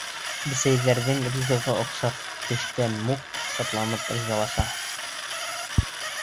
Бесәйҙәрҙең ризығы оҡшап төшкән Мук шатланып ризалаша.